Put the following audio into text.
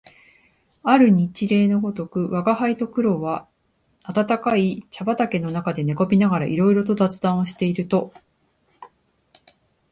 ある日例のごとく吾輩と黒は暖かい茶畠の中で寝転びながらいろいろ雑談をしていると、